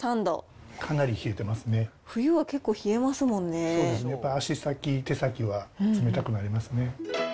冬は結構、やっぱり足先、手先は冷たくなりますね。